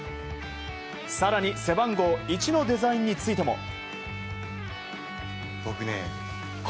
更に背番号１のデザインについても。